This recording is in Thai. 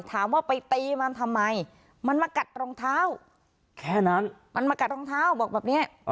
ถามว่าไปตีมันทำไมมันมากัดรองเท้าแค่นั้นมันมากัดรองเท้าบอกแบบนี้